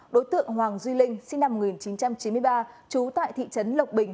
đối tượng hoàng duy linh sinh năm một nghìn chín trăm chín mươi ba trú tại thị trấn lộc bình